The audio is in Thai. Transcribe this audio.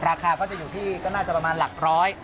ราคาก็จะอยู่ที่ก็น่าจะประมาณหลักร้อย